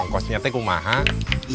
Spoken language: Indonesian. ternyata itu mahal